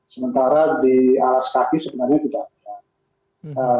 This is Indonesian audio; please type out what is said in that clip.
sementara di alas kaki sebenarnya tidak ada